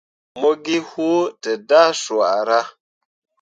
Mo gi huu dǝdah swara.